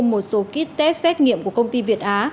một số ký test xét nghiệm của công ty việt á